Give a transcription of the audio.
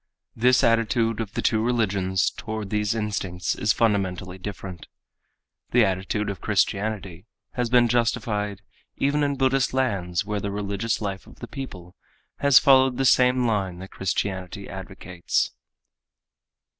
This attitude of the two religions toward these instincts is fundamentally different. The attitude of Christianity has been justified even in Buddhist lands where the religious life of the people has followed the same line that Christianity advocates.